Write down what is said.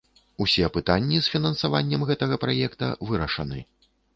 Усе пытанні з фінансаваннем гэтага праекта вырашаны.